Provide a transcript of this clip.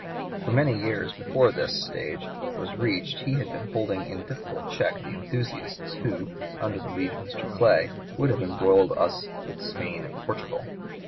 For many years before this stage was reached he had been holding in difficult check the enthusiasts who, under the lead of Mr. Clay, would have embroiled us with Spain and Portugal.